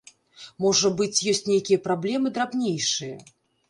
Можа быць, ёсць нейкія праблемы драбнейшыя.